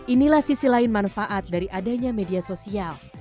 inilah sisi lain manfaat dari adanya media sosial